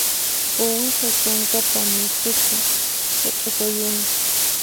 Uwiha kankata mikhuspa hiq'ipayuni